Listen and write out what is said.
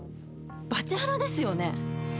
バチェハラですよね。